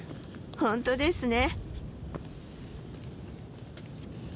本当ですね。